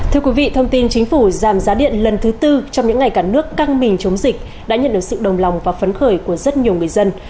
thưa quý vị thông tin chính phủ giảm giá điện lần thứ tư trong những ngày cả nước căng mình chống dịch đã nhận được sự đồng lòng và phấn khởi của rất nhiều người dân